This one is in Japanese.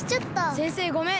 先生ごめん。